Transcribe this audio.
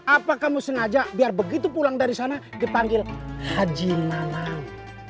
apa kamu sengaja biar begitu pulang dari sana dipanggil haji nanang